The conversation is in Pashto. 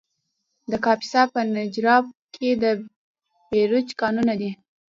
د کاپیسا په نجراب کې د بیروج کانونه دي.